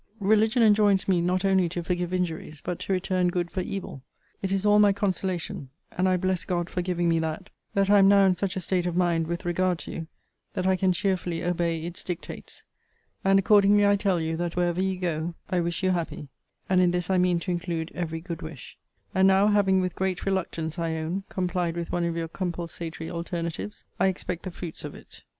Religion enjoins me not only to forgive injuries, but to return good for evil. It is all my consolation, and I bless God for giving me that, that I am now in such a state of mind, with regard to you, that I can cheerfully obey its dictates. And accordingly I tell you, that, wherever you go, I wish you happy. And in this I mean to include every good wish. And now having, with great reluctance I own, complied with one of your compulsatory alternatives, I expect the fruits of it.